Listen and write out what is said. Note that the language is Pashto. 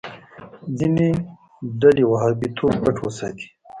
ځینې ډلې وهابيتوب پټ وساتي.